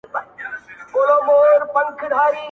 او خبري نه ختمېږي هېڅکله،